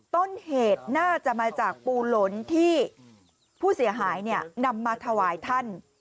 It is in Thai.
ต้นเหตุน่าจะมาจากปูหลนที่ผู้เสียหายนำมาถวายท่าน